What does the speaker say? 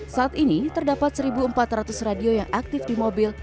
saat ini terdapat satu empat ratus radio yang aktif di mobil